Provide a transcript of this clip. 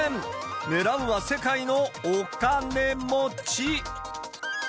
狙うは世界のお・か・ね・も・ち。